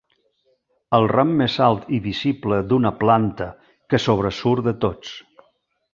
El ram més alt i visible d'una planta, que sobresurt de tots.